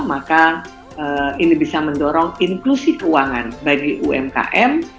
maka ini bisa mendorong inklusi keuangan bagi umkm